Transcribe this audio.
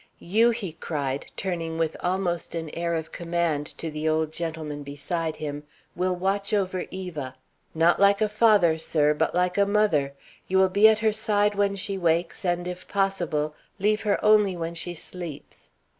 You," he cried, turning with almost an air of command to the old gentleman beside him, "will watch over Eva. Not like a father, sir, but like a mother. You will be at her side when she wakes, and, if possible, leave her only when she sleeps.